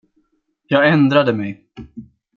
Jag ändrade mig.